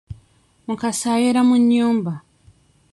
Mukasa ayera mu nnyumba.